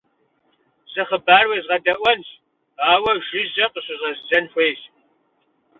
Зы хъыбар уезгъэдэӀуэнщ, ауэ жыжьэ къыщыщӀэздзэн хуейщ.